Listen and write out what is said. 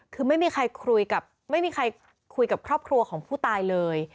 คือไม่มีใครคุยกับครอบครัวของผู้ตายเลย